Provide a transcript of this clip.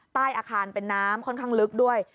ใต้อาคารเป็นน้ำค่อนข้างลึกด้วย